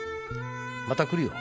「また来るよ